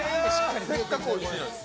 せっかくおいしいのに。